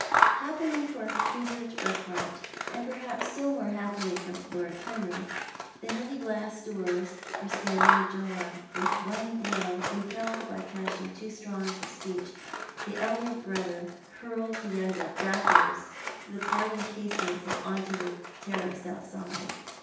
Happily for Hubert Urquhart, and perhaps still more happily for Lord Penrith, the heavy glass doors were standing ajar when with one blow, impelled by passion too strong for speech, the elder brother hurled the younger backwards through the part ing casements on to the terrace outside.